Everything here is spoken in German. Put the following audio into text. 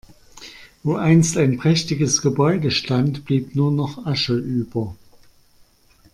Wo einst ein prächtiges Gebäude stand, blieb nur noch Asche über.